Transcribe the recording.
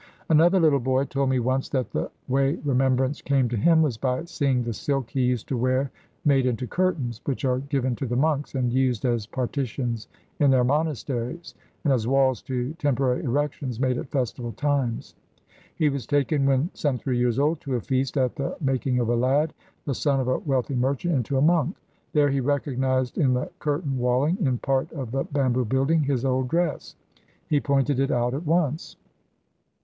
Another little boy told me once that the way remembrance came to him was by seeing the silk he used to wear made into curtains, which are given to the monks and used as partitions in their monasteries, and as walls to temporary erections made at festival times. He was taken when some three years old to a feast at the making of a lad, the son of a wealthy merchant, into a monk. There he recognised in the curtain walling in part of the bamboo building his old dress. He pointed it out at once.